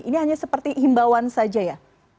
ini hanya seperti himbauan saja ya